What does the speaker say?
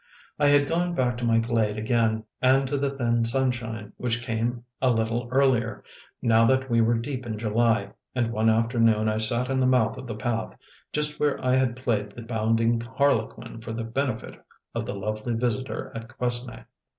I had gone back to my glade again, and to the thin sunshine, which came a little earlier, now that we were deep in July; and one afternoon I sat in the mouth of the path, just where I had played the bounding harlequin for the benefit of the lovely visitor at Quesnay.